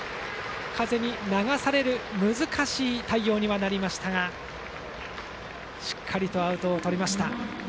風に流される難しい対応にはなりましたがしっかりとアウトをとりました。